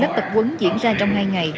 lớp tập huấn diễn ra trong hai ngày